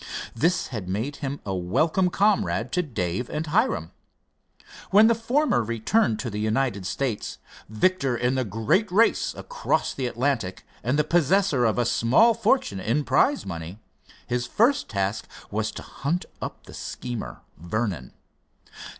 This had made him a welcome comrade to Dave and Hiram. When the former returned to the United States, victor in the great race across the Atlantic and the possessor of a small fortune in prize money, his first task was to hunt up the schemer, Vernon.